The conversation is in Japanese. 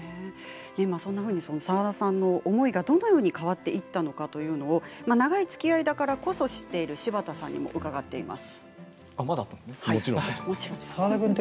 澤田さんの思いがどのように変わっていったのか長いつきあいだからこそ知っている柴田さんにも伺っています。